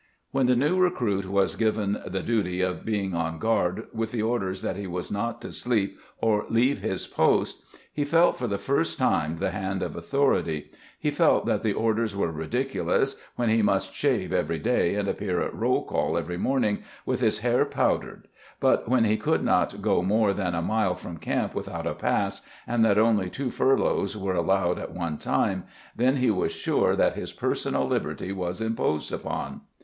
" When the new recruit was given the duty of being on guard with the orders that he was not to sleep or leave his post he felt for the first time the hand of authority, he felt that the orders were ridiculous when he must shave every day and appear at roll call every morning with his hair powdered, but when he could not go more than a mile from camp without a pass and that only two furloughs were allowed at one time, then he was sure that his personal liberty was imposed upon.